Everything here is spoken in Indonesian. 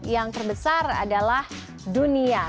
yang terbesar adalah dunia